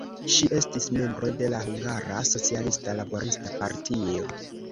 Ŝi estis membro de la Hungara Socialista Laborista Partio.